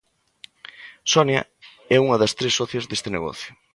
Sonia é unha das tres socias deste negocio.